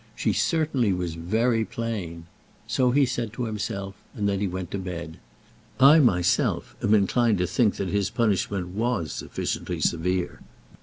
She certainly was very plain! So he said to himself, and then he went to bed. I myself am inclined to think that his punishment was sufficiently severe.